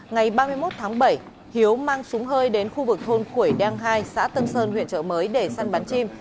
ngày ba mươi một tháng bảy hiếu mang súng hơi đến khu vực thôn khuẩy đen hai xã tân sơn huyện chợ mới để săn bán chim